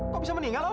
kok bisa meninggal om